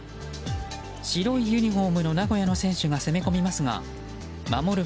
白いユニホームの名古屋の選手が攻め込みますが守る